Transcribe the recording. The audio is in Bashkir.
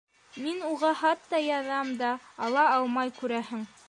— Мин уға хат та яҙам да, ала алмай, күрәһең.